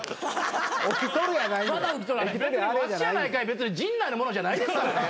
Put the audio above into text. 別に陣内のものじゃないですからね。